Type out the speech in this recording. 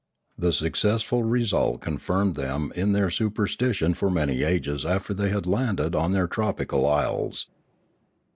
The successful result con firmed them in their superstition for many ages after they had landed on their tropical isles.